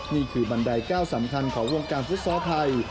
นี่คือบรรได้เก้าสำคัญของวงการฟุตซอสไทย